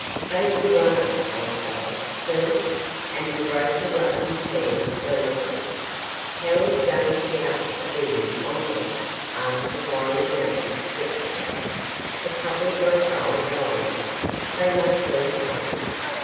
'They will run up, old fellow see?' and the Broker rubbed his hands gleefully. 'How are you going to get up a "Boom" on them?' asked the wiry man, sceptically; 'the public won't buy blindly, they must see something.